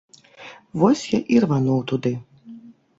Вось я і рвануў туды.